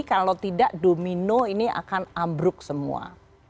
kalau tidak domino ini akan ambruk semua